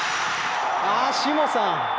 あ下さん。